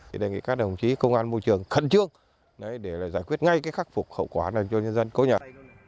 thì đề nghị các đồng chí công an môi trường khẩn trương để giải quyết ngay cái khắc phục hậu quả này cho nhân dân cố nhận